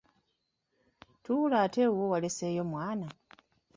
Tuula ate ewuwo waleseeyo mwana?